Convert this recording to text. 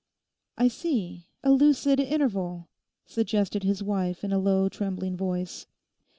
'I see; a lucid interval?' suggested his wife in a low, trembling voice.